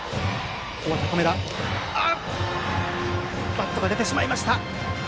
バットが出てしまいました。